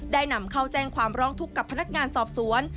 ได้นำเข้าแจ้งความร้องทุกข์กับพนักงานสอบสวน